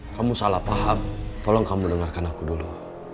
kamu salah paham tolong kamu dengarkan aku dulu